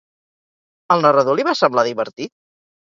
Al narrador li va semblar divertit?